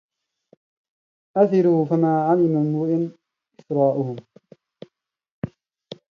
أثروا فما علم امرؤ إثراءهم